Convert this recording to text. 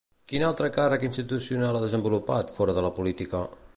Quin altre càrrec institucional ha desenvolupat, fora de la política?